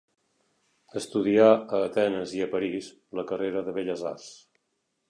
Estudià a Atenes i a París la carrera de belles arts.